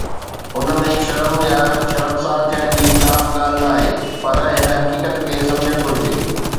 ان ۾ شرم يا شرمسار ٿيڻ جي ڪا به ڳالهه ناهي، پر هن حقيقت کي سمجهڻ گهرجي.